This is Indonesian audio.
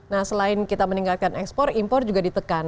nah selain kita meningkatkan ekspor impor juga ditekan